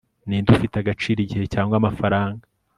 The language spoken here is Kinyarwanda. ninde ufite agaciro, igihe cyangwa amafaranga